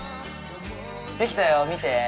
できたよ、見て。